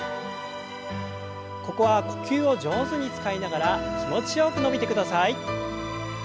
ここは呼吸を上手に使いながら気持ちよく伸びてください。